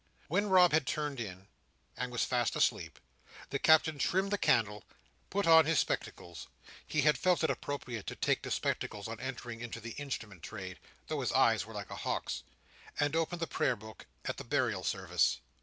When Rob had turned in, and was fast asleep, the Captain trimmed the candle, put on his spectacles—he had felt it appropriate to take to spectacles on entering into the Instrument Trade, though his eyes were like a hawk's—and opened the prayer book at the Burial Service.